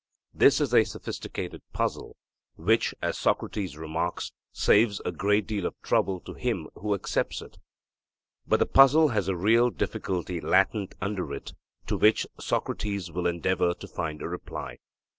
This is a sophistical puzzle, which, as Socrates remarks, saves a great deal of trouble to him who accepts it. But the puzzle has a real difficulty latent under it, to which Socrates will endeavour to find a reply.